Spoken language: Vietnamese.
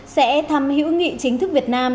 sẽ thăm hữu nghị chính thức việt nam